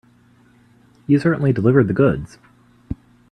You certainly delivered the goods.